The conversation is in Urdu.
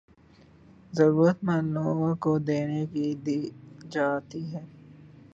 ضرورت مند لوگوں کو دینے کے دی جاتی ہیں